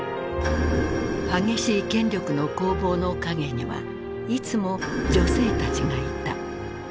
激しい権力の攻防の陰にはいつも女性たちがいた。